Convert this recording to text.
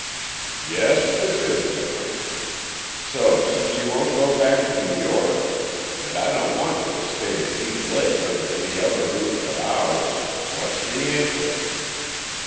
"Yes, this is different. So, since you won't go back to New York, and I don't want you to stay at Deep Lake under any other roof but ours, what's the answer?"